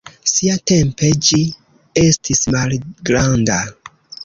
Siatempe ĝi estis malgranda.